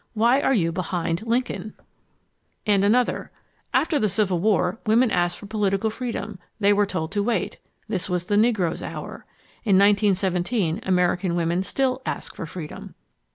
WHY ARE YOU BEHIND LINCOLN? and another: AFTER THE CIVIL WAR, WOMEN ASKED FOR POLITICAL FREEDOM. THEY WERE TOLD TO WAIT—THIS WAS THE NEGRO'S HOUR. IN 1917 AMERICAN WOMEN STILL ASK FOR FREEDOM.